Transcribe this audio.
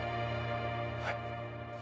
はい。